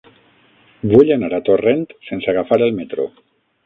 Vull anar a Torrent sense agafar el metro.